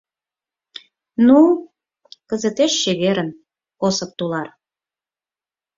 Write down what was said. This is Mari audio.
— Ну, кызытеш чеверын, Осып тулар.